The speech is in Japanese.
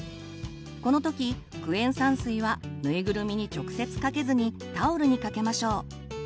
この時クエン酸水はぬいぐるみに直接かけずにタオルにかけましょう。